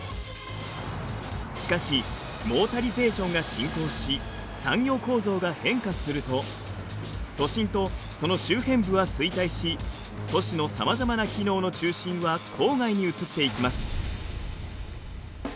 しかしモータリゼーションが進行し産業構造が変化すると都心とその周辺部は衰退し都市のさまざまな機能の中心は郊外に移っていきます。